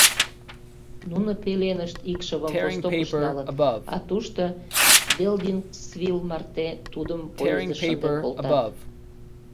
Нуно пеленышт икшывым Востокыш налыт, а тушто Белдингсвилл марте тудым поездыш шынден колтат.